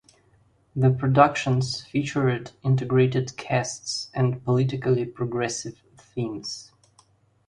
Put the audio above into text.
The productions featured integrated casts and politically progressive themes.